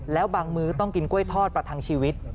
แล้วบางมื้อต้องกินกล้วยทอดประทังชีวิต